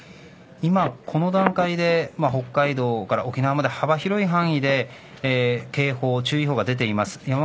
今、この段階で北海道から沖縄まで幅広い範囲で警報、注意報が出ています。